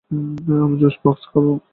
আমি juice box খাবো।